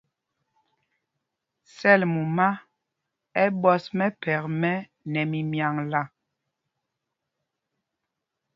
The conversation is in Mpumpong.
Sɛl mumá ɛ ɓɔs mɛphɛk mɛ́ nɛ mimyaŋla.